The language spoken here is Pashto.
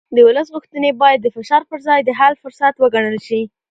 د ولس غوښتنې باید د فشار پر ځای د حل فرصت وګڼل شي